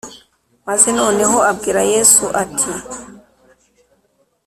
maze noneho abwira Yesu ati